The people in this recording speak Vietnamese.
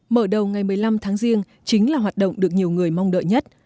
mở đầu ngày một mươi năm tháng riêng chính là hoạt động được nhiều người mong đợi nhất